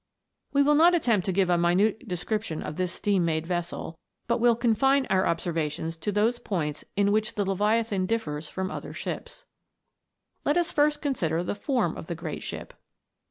We will not attempt to give a minute description of this steam made vessel, but will confine our observations to those points in which the Leviathan differs from other ships. Let us first consider the form of the great ship.